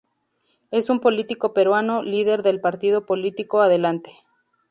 Es un político peruano, líder del Partido Político Adelante.